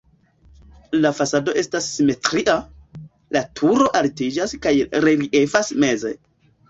La fasado estas simetria, la turo altiĝas kaj reliefas meze.